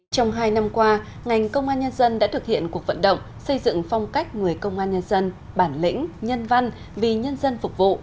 trong hai năm qua ngành công an nhân dân đã thực hiện cuộc vận động xây dựng phong cách người công an nhân dân bản lĩnh nhân văn vì nhân dân phục vụ